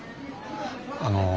あの。